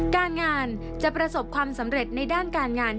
การงานจะประสบความสำเร็จในด้านการงาน